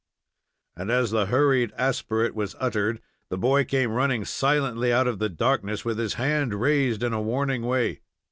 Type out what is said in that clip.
And as the hurried aspirate was uttered, the boy came running silently out of the darkness, with his hand raised in a warning way.